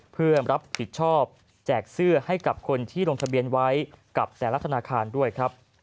เพื่อรับผิดชอบแจกเสื้อให้กับคนที่ลงทะเบียนไว้กับแต่ละธนาคารด้วยครับ